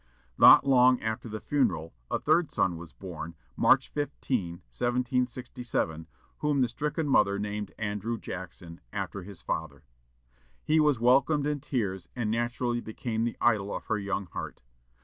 Not long after the funeral, a third son was born, March 15, 1767, whom the stricken mother named Andrew Jackson, after his father. He was welcomed in tears, and naturally became the idol of her young heart.